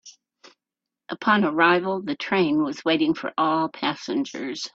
Upon arrival, the train was waiting for all passengers.